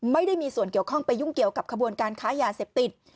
ไม่ได้มีส่วนเกี่ยวข้องไปยุ่งเกี่ยวกับขบวนการค้ายาเสพติด